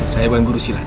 saya bukan guru silat